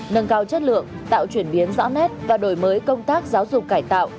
nâng cao chất lượng tạo chuyển biến rõ nét và đổi mới công tác giáo dục cải tạo